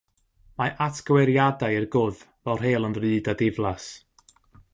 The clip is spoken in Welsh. Mae atgyweiriadau i'r gwddf fel rheol yn ddrud a diflas.